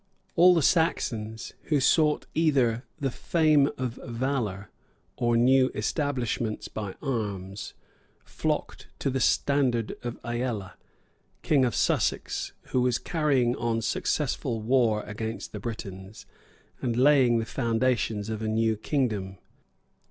All the Saxons, who sought either the fame of valor, or new establishments by arms, flocked to the standard of Ælla, king of Sussex, who was carrying on successful war against the Britons, and laying the foundations of a new kingdom.